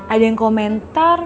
ada yang komentar